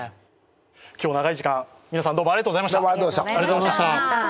今日は長い時間、どうもありがとうございました。